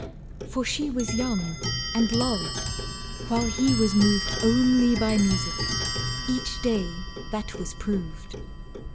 For she was young, and loved, while he was moved Only by music. Each day that was proved.